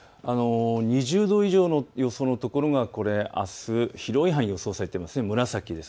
２０度以上の予想のところがあす広い範囲に予想されています。